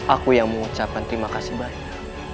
aku yang mengucapkan terima kasih banyak